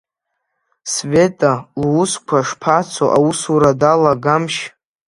Света лусқәа шԥацо, аусура далагамашь?